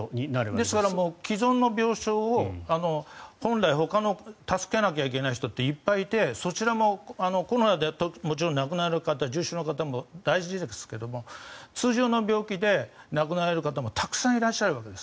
ですから既存の病床を本来、ほかの助けなきゃいけない人っていっぱいいて、そちらもコロナでもちろん亡くなる方重症の方も大事ですが通常の病気で亡くなられる方もたくさんいらっしゃるわけです。